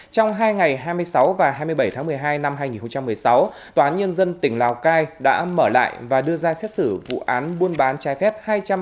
trong hai ngày hai mươi sáu và hai mươi bảy tháng một mươi hai năm hai nghìn một mươi sáu tòa án nhân dân tỉnh lào cai đã mở lại và đưa ra xét xử vụ án buôn bán trái phép